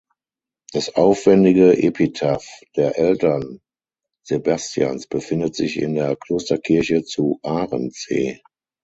Das aufwendige Epitaph der Eltern Sebastians befindet sich in der Klosterkirche zu Arendsee.